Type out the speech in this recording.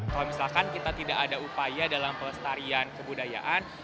kalau misalkan kita tidak ada upaya dalam pelestarian kebudayaan